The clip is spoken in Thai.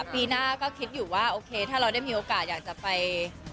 ปีหน้าก็คิดอยู่ว่าโอเคถ้าเราได้มีโอกาสอยากจะไป